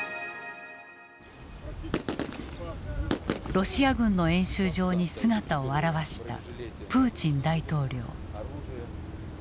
ロシア軍の演習場に姿を現したプーチン大統領。